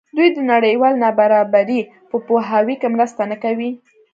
دوی د نړیوالې نابرابرۍ په پوهاوي کې مرسته نه کوي.